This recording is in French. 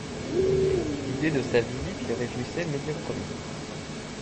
L'idée de sa visite les réjouissait médiocrement.